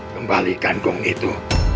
kembalikan gong itu